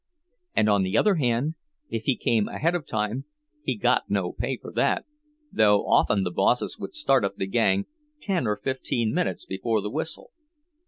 And on the other hand if he came ahead of time he got no pay for that—though often the bosses would start up the gang ten or fifteen minutes before the whistle.